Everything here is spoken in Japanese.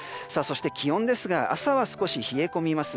気温ですが朝は少し冷え込みます。